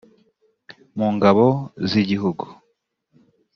mu ngabo z igihugu